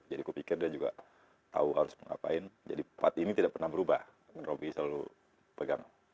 jadi aku pikir dia juga tau harus ngapain jadi part ini tidak pernah berubah robby selalu pegang